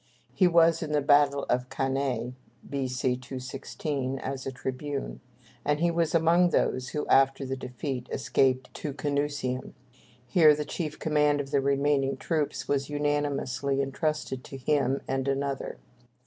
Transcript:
He was in the battle of Cannæ (B.C. 216) as a tribune, and was among those who, after the defeat, escaped to Canusium. Here the chief command of the remaining troops was unanimously entrusted to him and another.